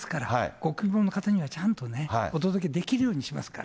ご希望の方にはちゃんとお届けできるようにしますから。